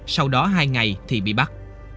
sau đó hai ngày thì bị bắt